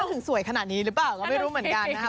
ถึงสวยขนาดนี้หรือเปล่าก็ไม่รู้เหมือนกันนะครับ